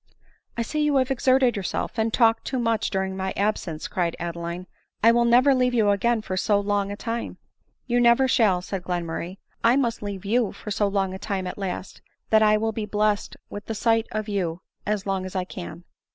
" 1 see you have exerted yourself and talked too much during my absence," cried Adeline, " and I will never leave you again for so long a time." 176 ADELINE MOWBRAY ." You never shall," said Glenmurray. " I must leave you for so long a time at last, that I will be blessed with the sight of you as long as I can."